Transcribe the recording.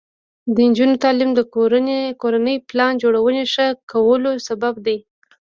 د نجونو تعلیم د کورنۍ پلان جوړونې ښه کولو سبب دی.